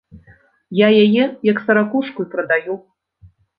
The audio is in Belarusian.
Я яе як саракушку і прадаю.